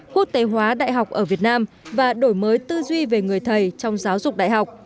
quốc tế hóa đại học ở việt nam và đổi mới tư duy về người thầy trong giáo dục đại học